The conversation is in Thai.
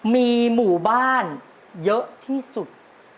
มีหมู่บ้านเยอะที่สุด